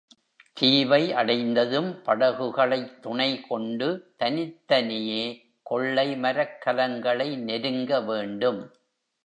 தீவை அடைந்ததும், படகுகளைத் துணைகொண்டு தனித்தனியே கொள்ளை மரக்கலங்களை நெருங்கவேண்டும்.